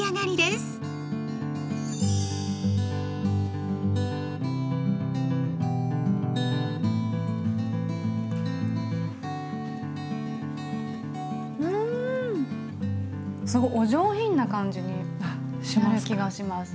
すごいお上品な感じになる気がします。